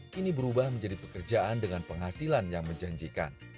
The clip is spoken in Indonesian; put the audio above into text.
kini berubah menjadi pekerjaan dengan penghasilan yang menjanjikan